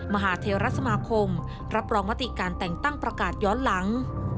มหาเทรสมาคมรับรองมติการแต่งตั้งประกาศย้อนหลัง